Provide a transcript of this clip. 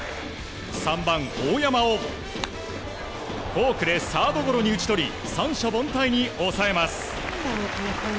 ３番、大山をフォークでサードゴロに打ち取り三者凡退に抑えます。